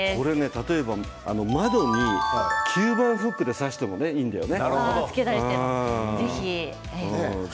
例えば窓に黄色いフックで差してもいいんだよね。